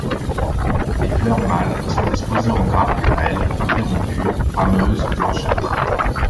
Les fleurs mâles sont disposées en grappes grêles, interrompues, rameuses, blanchâtres.